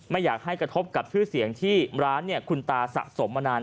ไม่อยากให้กระทบกับชื่อเสียงที่ร้านคุณตาสะสมมานาน